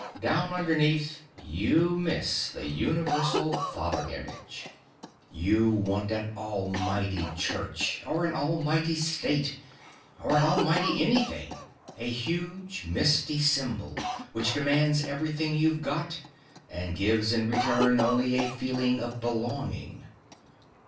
Down underneath you miss the universal father image. "You want an almighty Church or an almighty State or an almighty anything, a huge misty symbol which demands everything you've got and gives in return only a feeling of belonging."